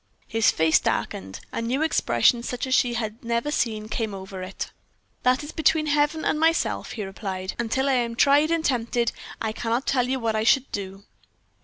His face darkened a new expression such as she had never seen came over it. "That is between Heaven and myself," he replied. "Until I am tried and tempted I cannot tell you what I should do."